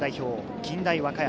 ・近大和歌山。